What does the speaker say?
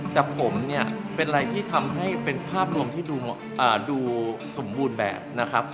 แต่ผมเนี่ยเป็นอะไรที่ทำให้เป็นภาพรวมที่ดูสมบูรณ์แบบนะครับ